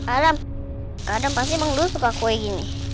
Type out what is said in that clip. adam adam pasti emang dulu suka kue gini